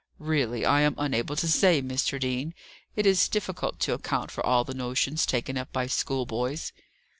"Really I am unable to say, Mr. Dean. It is difficult to account for all the notions taken up by schoolboys."